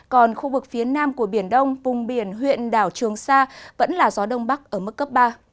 còn khu vực phía nam của biển đông vùng biển huyện đảo trường sa vẫn là gió đông bắc ở mức cấp ba